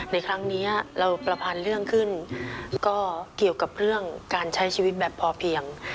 ในครั้งนี้เราประพันธ์เรื่องขึ้นก็เกี่ยวกับเรื่องการใช้ชีวิตแบบพอเพียง